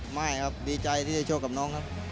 ไม่ครับดีใจที่จะโชคกับน้องครับ